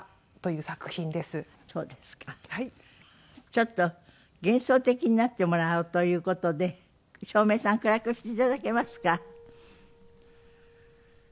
ちょっと幻想的になってもらおうという事で照明さん暗くして頂けますか？